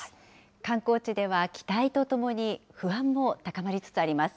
観光地では期待とともに、不安も高まりつつあります。